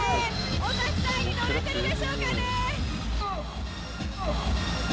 お立ち台に乗れてるでしょうかね。